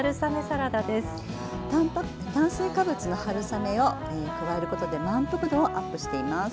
炭水化物の春雨を加えることで満腹度をアップしています。